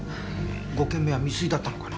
５件目は未遂だったのかな？